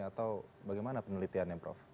atau bagaimana penelitiannya prof